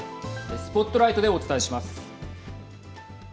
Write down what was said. ＳＰＯＴＬＩＧＨＴでお伝えします。